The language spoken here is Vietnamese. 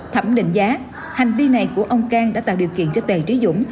thẩm định giá hành vi này của ông cang đã tạo điều kiện cho tề trí dũng